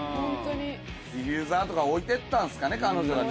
ディフューザーとか置いてったんすかね彼女が。